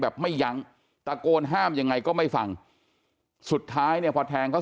ไม่ยั้งตะโกนห้ามยังไงก็ไม่ฟังสุดท้ายเนี่ยพอแทงเขา